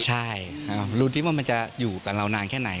ใช่รู้ที่ว่ามันจะอยู่กับเรานานแค่ไหน